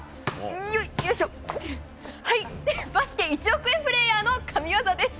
よいしょ、はい、バスケ１億円プレーヤーの神技です。